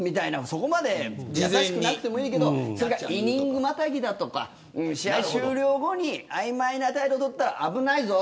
そこまで優しくなくてもいいけどイニングまたぎだとか試合終了後に曖昧な態度をとったら危ないぞ。